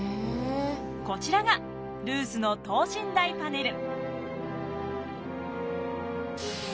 こちらがルースの等身大パネル。